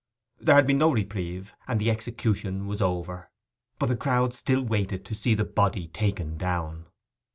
There had been no reprieve, and the execution was over; but the crowd still waited to see the body taken down.